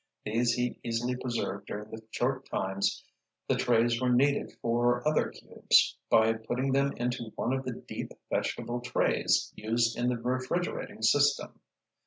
These he easily preserved during the short times the trays were needed for other cubes, by putting them into one of the deep vegetable trays used in the refrigerating system.